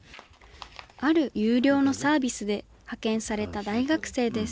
ある有料のサービスで派遣された大学生です。